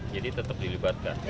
jadi tetap dilibatkan